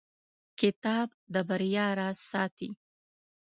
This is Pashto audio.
کتاب د بریا راز ساتي.